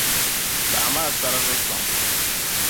Paami a sariga sɔŋ.